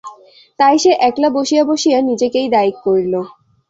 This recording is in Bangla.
তাই সে একলা বসিয়া বসিয়া নিজেকেই দায়িক করিল।